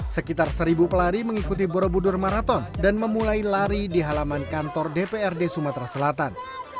sekitar seribu pelari mengikuti borobudur maraton dan memulai lari di halaman kantor dprd sumatera selatan